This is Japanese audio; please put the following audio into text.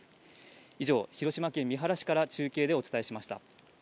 以上、広島県三原市から中継でお伝えしました。